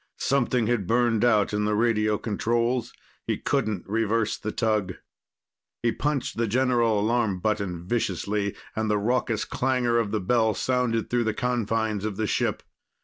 Something had burned out in the radio controls. He couldn't reverse the tug. He punched the general alarm button viciously, and the raucous clangor of the bell sounded through the confines of the ship.